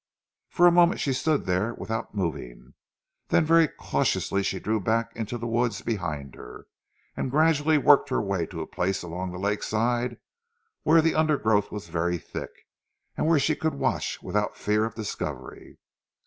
For a moment she stood there without moving, then very cautiously she drew back into the wood behind her, and gradually worked her way to a place along the lakeside where the undergrowth was very thick, and where she could watch without fear of discovery.